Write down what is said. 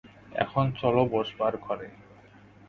এখন চলো বসবার ঘরে।